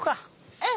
うん！